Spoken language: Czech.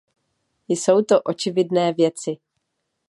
Jsou to očividné věci.